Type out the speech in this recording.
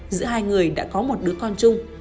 giữa hai người đã có một đứa con chung